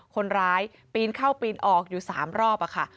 คนร้ายปีนเข้าปีนออกอยู่๓รอบค่ะ